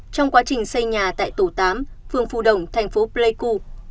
trong quá trình xây nhà tại tổ tám phường phù đồng tp pleiku